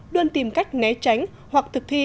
đơn tìm cách né tránh hoặc thực thi